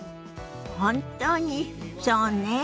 本当にそうね。